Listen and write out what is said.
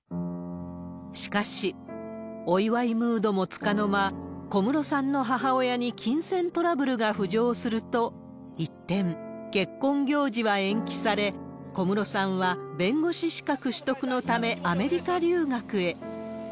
しかし、お祝いムードもつかの間、小室さんの母親に金銭トラブルが浮上すると一転、結婚行事は延期され、小室さんは弁護士資格取得のため、アメリカ留学へ。